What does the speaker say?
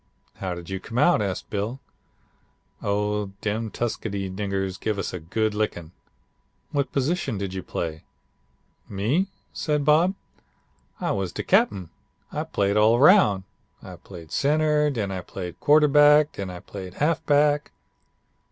"'How did you come out?' asked Bill. "'Oh, dem Tuskegee niggers give us a good lickin'.' "'What position did you play?' "'Me?' said Bob, 'I was de cap'en. I played all roun'. I played center. Den I played quarterback. Den I played halfback.'